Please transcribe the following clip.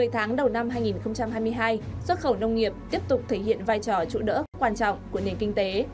một mươi tháng đầu năm hai nghìn hai mươi hai xuất khẩu nông nghiệp tiếp tục thể hiện vai trò trụ đỡ quan trọng của nền kinh tế